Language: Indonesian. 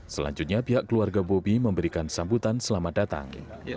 selanjutnya pihak keluarga bobi memberikan sambutan selamat datang